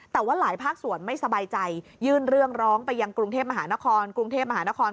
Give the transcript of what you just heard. แต่ว่าหลายภาคส่วนไม่สบายใจยื่นเรื่องร้องไปยังกรุงเทพมหานครกรุงเทพมหานคร